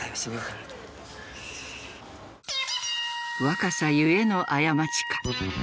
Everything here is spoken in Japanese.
「若さゆえの過ちか」。